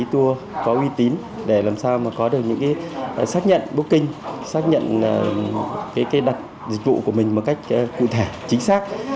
chúng ta nên liên hệ với các đại lực để làm sao mà có được những cái xác nhận booking xác nhận cái đặt dịch vụ của mình một cách cụ thể chính xác